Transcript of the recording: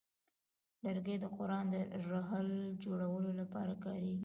لرګی د قران د رحل جوړولو لپاره کاریږي.